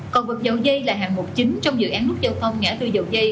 cầu vượt dầu dây là hạng mục chính trong dự án nút giao thông ngã tư dầu dây